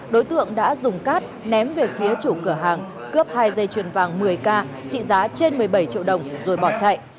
đối tượng đã dùng cát ném về phía chủ cửa hàng cướp hai dây chuyền vàng một mươi k trị giá trên một mươi bảy triệu đồng rồi bỏ chạy